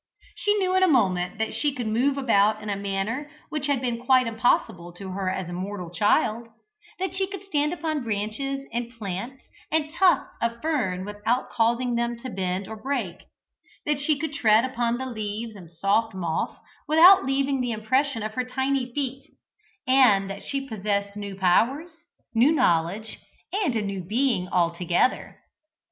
She knew in a moment that she could move about in a manner which had been quite impossible to her as a mortal child: that she could stand upon branches and plants and tufts of fern without causing them to bend or break, that she could tread upon the leaves and soft moss without leaving the impression of her tiny feet, and that she possessed new powers, new knowledge, and a new being altogether.